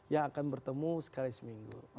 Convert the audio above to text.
yang akan bertemu sekali seminggu